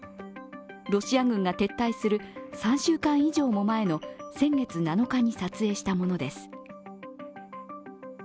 ロシア軍が撤退する３週間以上も前の先月７日に撮影したものです。